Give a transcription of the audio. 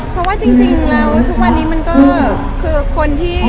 เพราะว่าจริงแล้วทุกวันนี้มันก็คือคนที่